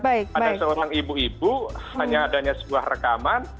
ada seorang ibu ibu hanya adanya sebuah rekaman